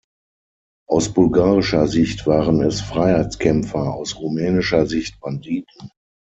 Aus bulgarischer Sicht waren es Freiheitskämpfer, aus rumänischer Sicht Banditen.